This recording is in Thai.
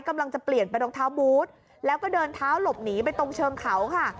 กำลังจะเปลี่ยนเป็นรองเท้าบูธแล้วก็เดินเท้าหลบหนีไปตรงเชิงเขาค่ะ